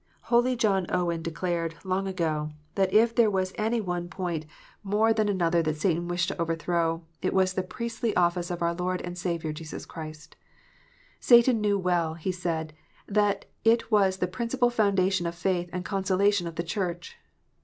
Holy John Owen declared, long ago, that if there was any one 342 KNOTS UNTIED. point more than another that Satan wished to overthrow, it was the Priestly office of our Lord and Saviour Jesus Christ. Satan knew well, he said, that it was the " principal foundation of faith and consolation of the Church."